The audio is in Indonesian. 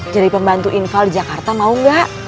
jadi pembantu infal di jakarta mau gak